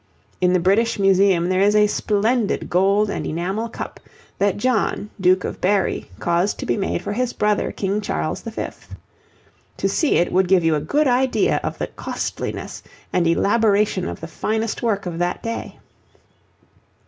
In the British Museum there is a splendid gold and enamel cup that John, Duke of Berry, caused to be made for his brother King Charles V.; to see it would give you a good idea of the costliness and elaboration of the finest work of that day.